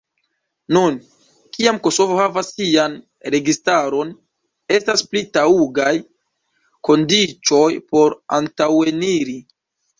Nun, kiam Kosovo havas sian registaron, estas pli taŭgaj kondiĉoj por antaŭeniri.